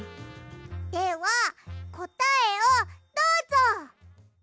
ではこたえをどうぞ！